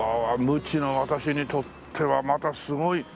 無知の私にとってはまたすごい。